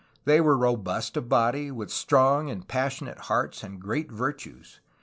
They were robust of body, with strong and passionate hearts and great virtues.